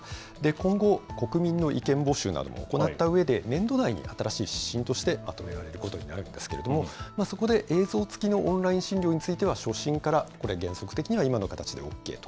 今後、国民の意見募集なども行ったうえで、年度内に新しい指針としてまとめられることになるんですけれども、そこで、映像付きのオンライン診療については、初診からこれ、原則的には今の形でＯＫと。